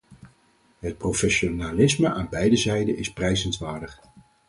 Het professionalisme aan beide zijden is prijzenswaardig.